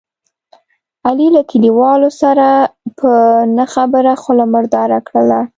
علي له کلیوالو سره په نه خبره خوله مرداره کړله.